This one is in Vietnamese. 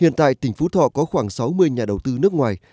hiện tại tỉnh phú thọ có khoảng sáu mươi nhà đầu tư nước ngoài